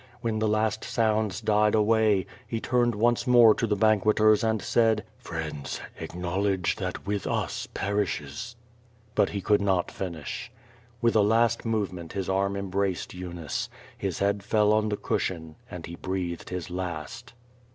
When the last sounds died away, he turned once more to the banqueters and said: "Friends, acknowledge that with us perishes —" but ho could not finish. With a last movement his arm embraced Eunice, his head fell on the cushion and he breathed his last.